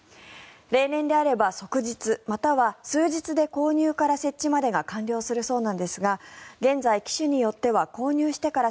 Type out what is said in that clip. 例年であれば即日、または数日で購入から設置まで完了するそうなんですが現在、機種によっては購入してから